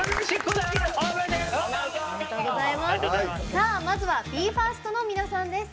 さあまずはＢＥ：ＦＩＲＳＴの皆さんです。